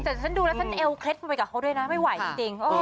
แต่ฉันดูแล้วฉันเอวเคล็ดไปกับเขาด้วยนะไม่ไหวจริง